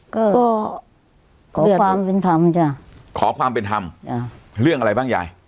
ก็ขอความเป็นธรรมจ้ะขอความเป็นธรรมจ้ะเรื่องอะไรบ้างยาย